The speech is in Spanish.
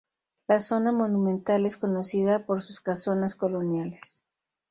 La zona monumental es conocida por sus casonas coloniales.